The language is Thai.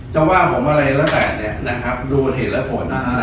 จะว่าผมอะไรแล้วแต่เนี้ยนะครับรูปโทรศัพท์และผลนะครับ